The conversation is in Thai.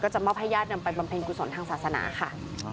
จะมอบให้ญาตินำไปบำเพ็ญกุศลทางศาสนาค่ะ